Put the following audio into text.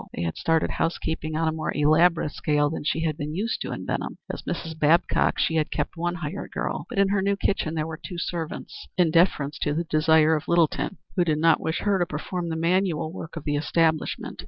They had started house keeping on a more elaborate scale than she had been used to in Benham. As Mrs. Babcock she had kept one hired girl; but in her new kitchen there were two servants, in deference to the desire of Littleton, who did not wish her to perform the manual work of the establishment.